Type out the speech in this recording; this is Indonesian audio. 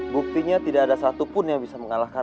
buktinya tidak ada satupun yang bisa mengalahkan